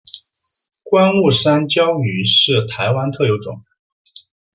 观雾山椒鱼是台湾特有种。